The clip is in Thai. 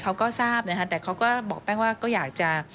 เค้าก็ทราบแต่เค้าก็บอกปั๊มว่าก็อยากจะ